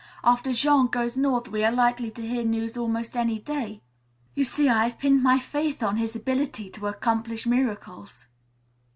After Jean goes north we are likely to hear news almost any day. You see, I have pinned my faith on his ability to accomplish miracles."